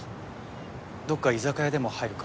どっか居酒屋でも入るか？